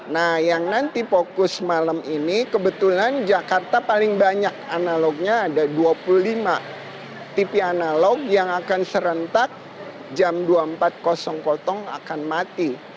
nah yang nanti fokus malam ini kebetulan jakarta paling banyak analognya ada dua puluh lima tv analog yang akan serentak jam dua puluh empat akan mati